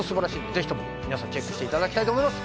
是非とも皆さん、チェックしていただきたいと思います。